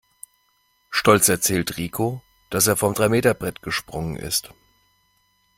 Stolz erzählt Rico, dass er vom Dreimeterbrett gesprungen ist.